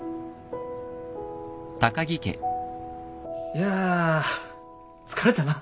いや疲れたな。